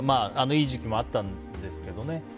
いい時期もあったんですけどね。